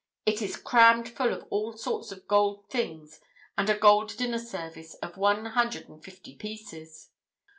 It is crammed full of all sorts of gold things and a gold dinner service of one hundred and fifty pieces."